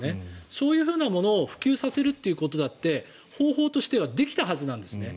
そういうものを普及させるということだって方法としてはできたはずなんですね。